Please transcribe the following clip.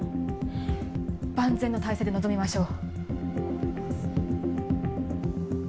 万全の態勢で臨みましょう。